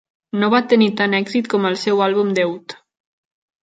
No va tenir tant èxit com el seu àlbum de ut.